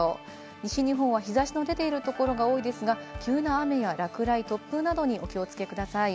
西日本は日差しの出ているところが多いですが、急な雨や落雷、突風などにお気をつけください。